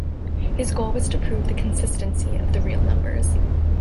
His goal was to prove the consistency of the real numbers.